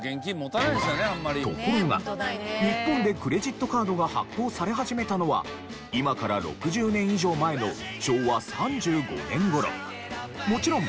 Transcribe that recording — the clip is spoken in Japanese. ところが日本でクレジットカードが発行され始めたのは今から６０年以上前の昭和３５年頃。